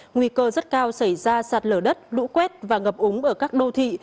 nguy cơ rất cao xảy ra sạt lở đất lũ quét và ngập úng ở các đô thị